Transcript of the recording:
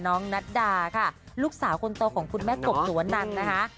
น้องนัดดาค่ะลูกสาวคนโตของคุณแม่กบสุวนันนะคะ